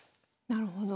なるほど。